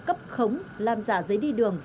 cấp khống làm giả giấy đi đường